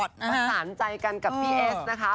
สามารถสามารถกันกับพี่เอสนะคะ